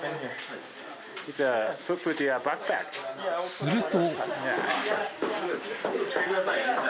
すると